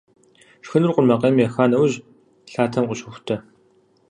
Шхыныр къурмакъейм еха нэужь, лъатэм къыщохутэ.